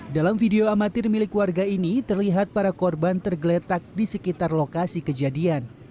dalam video amatir milik warga ini terlihat para korban tergeletak di sekitar lokasi kejadian